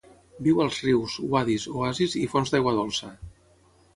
Viu als rius, uadis, oasis i fonts d'aigua dolça.